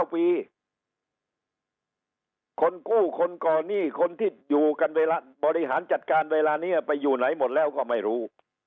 คนกู้คนก่อหนี้คนที่อยู่กันเวลาบริหารจัดการเวลานี้ไปอยู่ไหนหมดแล้วก็ไม่รู้